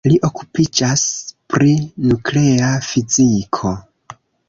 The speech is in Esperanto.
Li okupiĝas pri nuklea fiziko.